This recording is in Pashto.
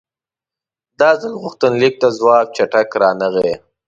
دا ځل غوښتنلیک ته ځواب چټک رانغی.